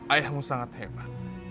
ayahmu sangat hebat